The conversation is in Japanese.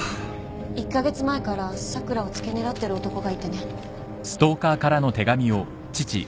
１カ月前から咲良を付け狙ってる男がいてね